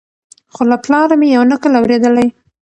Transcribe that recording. خو له پلاره مي یو نکل اورېدلی